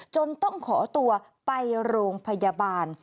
จนต้องขอตัวไปโรงพยาบาล